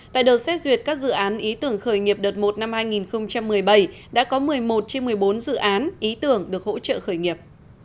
tại đợt xét duyệt các dự án ý tưởng khởi nghiệp đợt một năm hai nghìn một mươi bảy đã có một mươi một trên một mươi bốn dự án ý tưởng được hỗ trợ khởi nghiệp